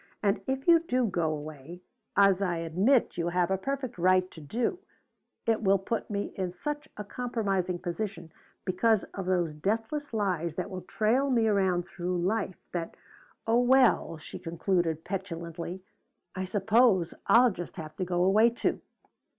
And if you do go away as I admit you have a perfect right to do it will put me in such a compromising position, because of those deathless lies that will trail me round through life that oh, well," she concluded petulantly, "I suppose I'll just have to go away too."